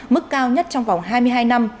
mức cao nhất trong vòng hai mươi hai năm